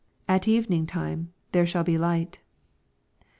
"At evening time there shall be light.''